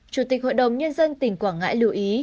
chủ tịch hội đồng nhân dân tỉnh quảng ngãi lưu ý